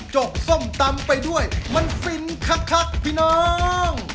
กส้มตำไปด้วยมันฟินคักพี่น้อง